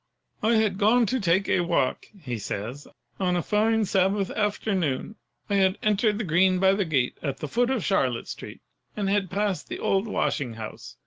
"I had gone to take a walk," he says, "on a 6o PHYSICS fine Sabbath afternoon. I had entered the Green by the gate at the foot of Charlotte Street and had passed the old washing house.